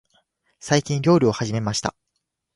最近、料理を始めました。